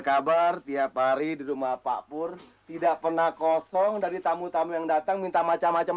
kabar tiap hari di rumah pak pur tidak pernah kosong dari tamu tamu yang datang minta macam macam